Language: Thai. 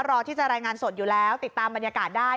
รอที่จะรายงานสดอยู่แล้วติดตามบรรยากาศได้